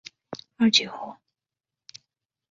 各角色译名以协和国际多媒体所定译名为准。